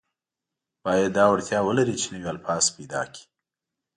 باید دا وړتیا ولري چې نوي الفاظ پیدا کړي.